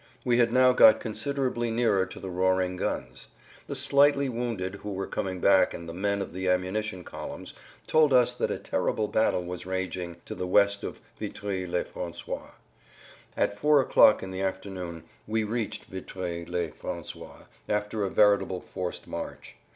We had now got considerably nearer to the roaring guns. The slightly wounded who were coming back and the men of the ammunition columns told us that a terrible battle was raging to the west of Vitry le François. At four o'clock in the afternoon we reached Vitry le François, after a veritable forced march.